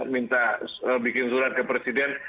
minta bikin surat ke presiden